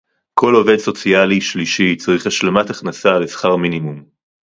כל עובד סוציאלי שלישי צריך השלמת הכנסה לשכר מינימום